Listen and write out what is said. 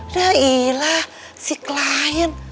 dah iya lah si klien